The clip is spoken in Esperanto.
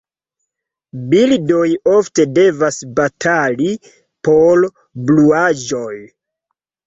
Birdoj ofte devas batali por bluaĵoj.